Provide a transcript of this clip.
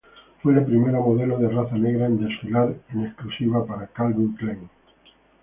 Fue la primera modelo de raza negra en desfilar en exclusiva para Calvin Klein.